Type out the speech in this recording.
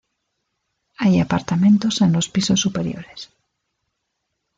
Hay apartamentos en los pisos superiores.